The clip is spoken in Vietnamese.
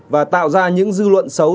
và tạo ra những dư luận xấu